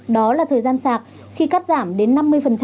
đó là thời gian sạc khi cắt giảm đến năm mươi